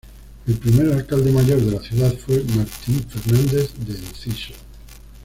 El primer alcalde mayor de la ciudad fue Martín Fernández de Enciso.